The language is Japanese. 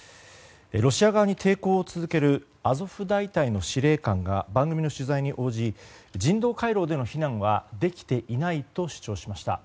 ロシア側に抵抗を続けるアゾフ大隊の司令官が番組の取材に応じ人道回廊での避難はできていないと主張しました。